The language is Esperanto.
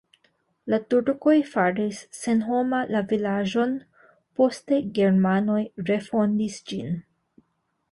La turkoj faris senhoma la vilaĝon, poste germanoj refondis ĝin.